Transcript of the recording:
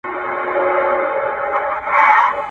کابل منتر وهلی